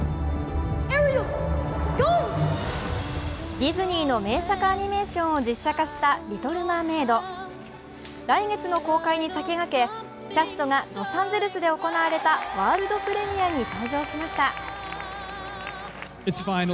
ディズニーの名作アニメーションを実写化した「リトル・マーメイド」来月の公開に先駆け、キャストがロサンゼルスで行われたワールドプレミアに登場しました。